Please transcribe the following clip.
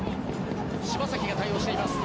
柴崎が対応しています。